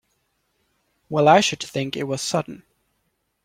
Well I should think it was sudden!